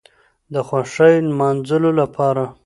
د خوښۍ نماځلو لپاره